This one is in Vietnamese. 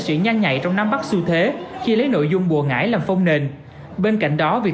sự nhanh nhạy trong năm bắc xu thế khi lấy nội dung bùa ngải làm phông nền bên cạnh đó việc